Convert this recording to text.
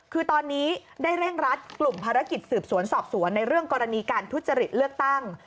คือตอนนี้ได้เร่งรัดกลุ่มภารกิจสืบสวนสอบสวนในเรื่องกรณีการทุจริตเลือกตั้ง